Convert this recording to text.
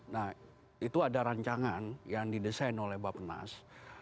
nah itu ada rancangan yang didesain oleh bapak nas